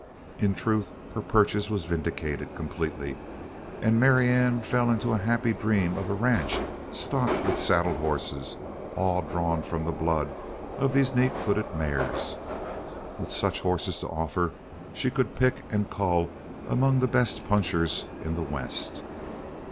In truth, her purchase was vindicated completely and Marianne fell into a happy dream of a ranch stocked with saddle horses all drawn from the blood of these neat footed mares. With such horses to offer, she could pick and cull among the best "punchers" in the West.